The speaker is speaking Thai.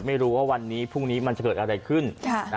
ไม่รู้ว่าวันนี้พรุ่งนี้มันจะเกิดอะไรขึ้น